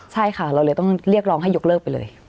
ใช่ค่ะเราเลยต้องเรียกร้องให้ยกเลิกไปเลย